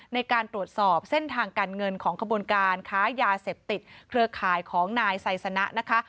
ในการตรวจสอบเส้นทางการเงินของขบวนการค้ายาเสพติดเครือข่ายของนายไซสนะนะคะ